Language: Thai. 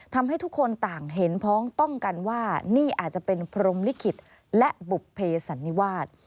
ทำให้ทุกคนต่างเห็นพ้องต้องกันว่านี่อาจจะเป็นพรมลิขิตและบุภเพสันนิวาส